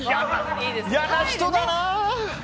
嫌な人だな。